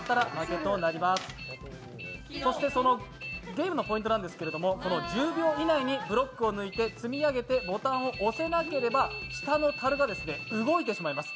ゲームのポイントですけれども、１０秒以内にブロックを抜いて積み上げてボタンを押せなければ下のたるが動いてしまいます。